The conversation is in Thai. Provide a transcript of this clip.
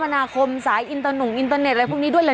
นี้อะ